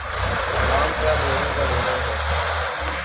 عوام کیا بھیڑوں کا ریوڑ ہے؟